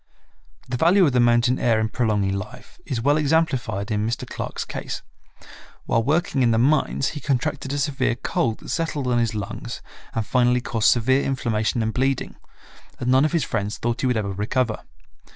The value of the mountain air in prolonging life is well examplified in Mr. Clark's case. While working in the mines he contracted a severe cold that settled on his lungs and finally caused severe inflammation and bleeding, and none of his friends thought he would ever recover.